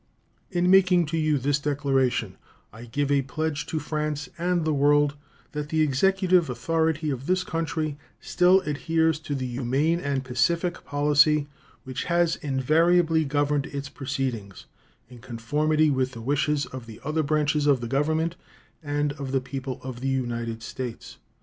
In making to you this declaration I give a pledge to France and the world that the Executive authority of this country still adheres to the humane and pacific policy which has invariably governed its proceedings, in conformity with the wishes of the other branches of the Government and of the people of the United States.